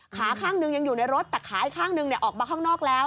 ขาข้างหนึ่งยังอยู่ในรถแต่ขาอีกข้างหนึ่งออกมาข้างนอกแล้ว